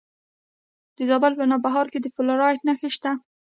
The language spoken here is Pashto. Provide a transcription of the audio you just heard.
د زابل په نوبهار کې د فلورایټ نښې شته.